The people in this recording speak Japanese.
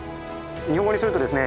日本語にするとですね